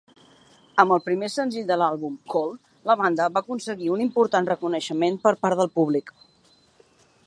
Amb el primer senzill de l'àlbum, "Cold", la banda va aconseguir un important reconeixement per part del públic.